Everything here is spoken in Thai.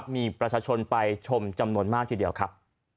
มีประชาชนไปชมจำนวนมากทีเดียวครับ